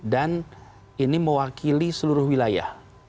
dan ini mewakili seluruh wilayah